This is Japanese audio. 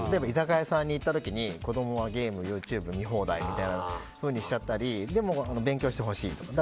居酒屋さんに行った時に子供はゲーム、ＹｏｕＴｕｂｅ見放題みたいなふうにしちゃったりでも、勉強してほしいと。